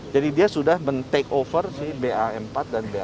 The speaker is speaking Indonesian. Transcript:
jadi dia sudah men takeover si b empat dan b lima